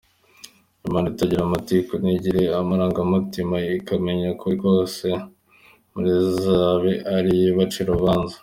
Imana itagira amatiku ntigire amarangamutima ikamenya ukuri kose iza be ariyo ibacira urubanza.